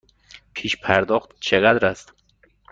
پیش پرداخت چقدر است؟